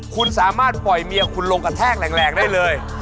คุณสามารถปล่อยเมียคุณลงกระแทกแรงได้เลย